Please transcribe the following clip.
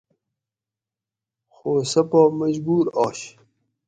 خو سہ پا مجبور آش